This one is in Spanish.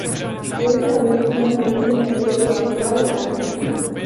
Esta última es el acceso actual al sitio.